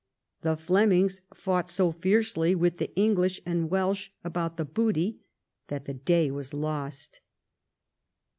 The Flemings fought so fiercely with tlie English and Welsh about the booty that the day was lost.